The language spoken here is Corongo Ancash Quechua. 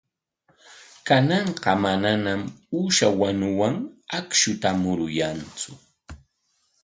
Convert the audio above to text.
Kananqa manañam uusha wanuwan akshuta muruyantsu.